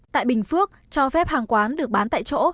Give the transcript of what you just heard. tại bình phước cho phép hàng quán được bán tại chỗ